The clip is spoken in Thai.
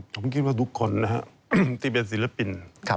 ผมคิดว่าทุกคนนะครับที่เป็นศิลปิน